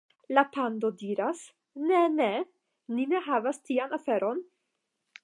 La pando diras: "Ne, ne. Ni ne havas tian aferon."